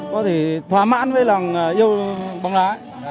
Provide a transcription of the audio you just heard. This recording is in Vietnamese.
có thể thỏa mãn với lòng yêu bóng đá